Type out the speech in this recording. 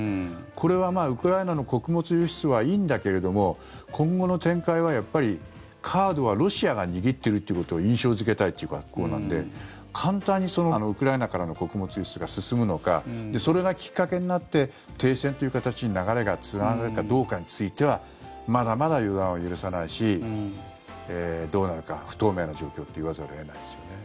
これはウクライナの穀物輸出はいいんだけれども今後の展開は、やっぱりカードはロシアが握ってるということを印象付けたいという格好なので簡単にウクライナからの穀物輸出が進むのかそれがきっかけになって停戦という形に流れがつながるかどうかについてはまだまだ予断を許さないしどうなるか不透明な状況と言わざるを得ないですよね。